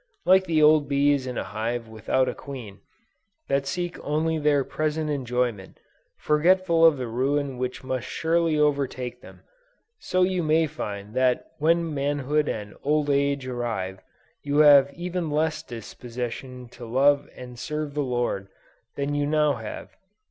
Like the old bees in a hive without a queen, that seek only their present enjoyment, forgetful of the ruin which must surely overtake them, so you may find that when manhood and old age arrive, you will have even less disposition to love and serve the Lord than you now have.